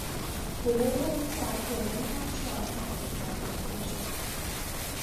حقوق او در پایان هر چهار هفته پرداخت میشد.